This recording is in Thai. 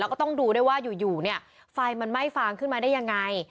ก็ต้องดูได้ว่าอยู่ไฟมันไหม้ฟางขึ้นมาได้ยังไง